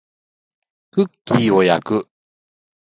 クッキーを焼く